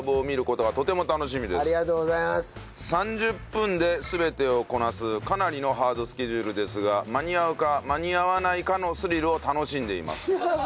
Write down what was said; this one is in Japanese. ３０分で全てをこなすかなりのハードスケジュールですが間に合うか間に合わないかのスリルを楽しんでいます。